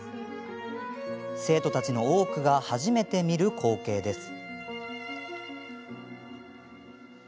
生徒たちの多くが初めて見る光景です。